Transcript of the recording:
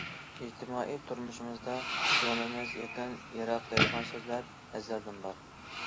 ئىجتىمائىي تۇرمۇشىمىزدا‹‹ كۆڭلىمىز يېقىن، يىراق›› دەيدىغان سۆزلەر ئەزەلدىن بار.